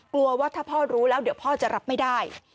กลัวว่าถ้าพ่อรู้แล้วเดี๋ยวพ่อจะรับไม่ได้